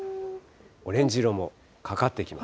オレンジ色もかかってきます。